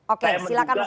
oke silakan mas andi